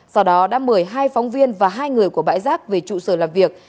sau đó đã mời hai phóng viên và hai người của bãi rác về trụ sở làm việc